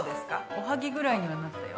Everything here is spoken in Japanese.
おはぎぐらいにはなったよ。